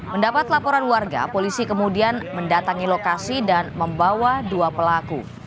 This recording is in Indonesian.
mendapat laporan warga polisi kemudian mendatangi lokasi dan membawa dua pelaku